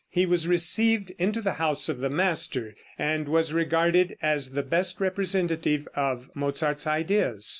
He was received into the house of the master, and was regarded as the best representative of Mozart's ideas.